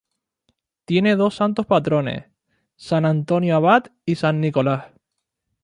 Tiene dos santos patrones: San Antonio Abad y San Nicolás.